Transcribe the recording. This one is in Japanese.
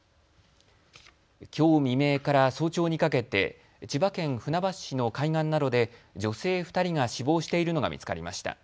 きょう未明から早朝にかけて千葉県船橋市の海岸などで女性２人が死亡しているのが見つかりました。